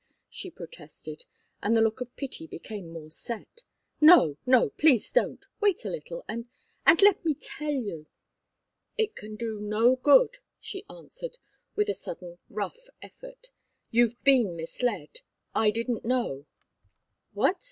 she protested, and the look of pity became more set. "No, no! Please don't! Wait a little and and let me tell you " "It can do no good," she answered, with a sudden rough effort. "You've been misled I didn't know " "What?"